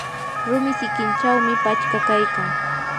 rumi sikinchawmi pachka kaykan.